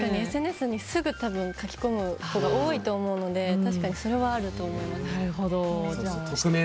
ＳＮＳにすぐ書き込む子が多いと思うので確かにそれはあると思います。